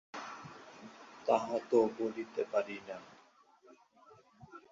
তাহা তো বলিতে পারি না।